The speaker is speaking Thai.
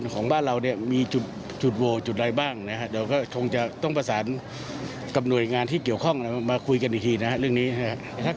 กับหน่วยงานที่เกี่ยวข้องมาคุยกันอีกทีนะครับเรื่องนี้นะครับ